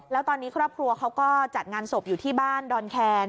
แล้วตอนนี้ครอบครัวเขาก็จัดงานศพอยู่ที่บ้านดอนแคน